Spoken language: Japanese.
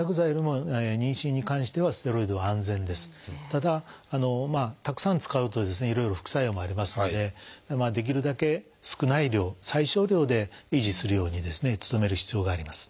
ただたくさん使うとですねいろいろ副作用もありますのでできるだけ少ない量最少量で維持するように努める必要があります。